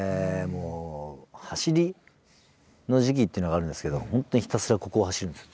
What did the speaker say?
もう走りの時期っていうのがあるんですけど本当にひたすらここを走るんです。